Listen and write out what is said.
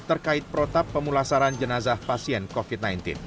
terkait protap pemulasaran jenazah pasien covid sembilan belas